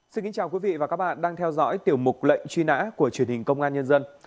xin kính chào quý vị và các bạn đang theo dõi tiểu mục lệnh truy nã của truyền hình công an nhân dân